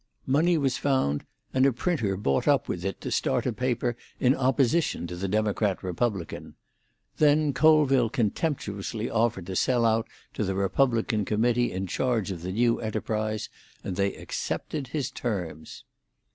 Money was found, and a printer bought up with it to start a paper in opposition to the Democrat Republican. Then Colville contemptuously offered to sell out to the Republican committee in charge of the new enterprise, and they accepted his terms.